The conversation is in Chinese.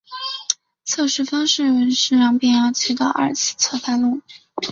测试方式是让变压器的二次侧开路。